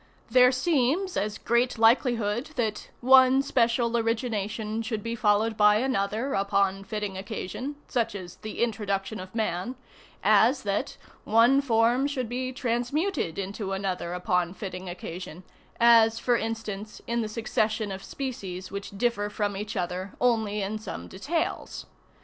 There seems as great likelihood that one special origination should be followed by another upon fitting occasion, (such as the introduction of man,) as that one form should be transmuted into another upon fitting occasion, as, for instance, in the succession of species which differ from each other only in some details.